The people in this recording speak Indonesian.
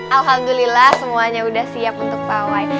alhamdulillah semuanya udah siap untuk pawai